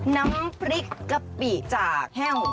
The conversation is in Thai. น้ำพริกกะปิจากแห้ว